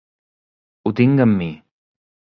Ho tinc amb mi.